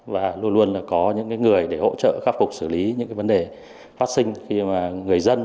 và luôn luôn là có những người để hỗ trợ khắc phục xử lý những vấn đề phát sinh khi mà người dân